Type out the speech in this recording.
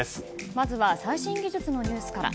まずは最新技術のニュースから。